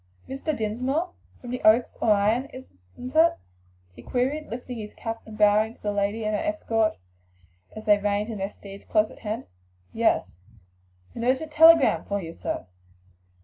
"Mr. Dinsmore, from the Oaks or Ion, isn't it?" he queried, lifting his cap and bowing to the lady and her escort as they reined in their steeds close at hand. "Yes." "A telegram for you, sir."